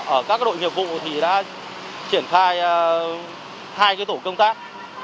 ở các đội nghiệp vụ thì đã triển khai hai tổ công tác